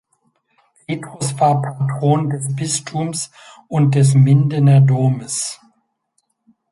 Petrus war Patron des Bistums und des Mindener Domes.